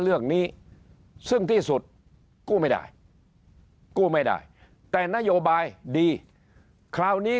เรื่องนี้ซึ่งที่สุดกู้ไม่ได้กู้ไม่ได้แต่นโยบายดีคราวนี้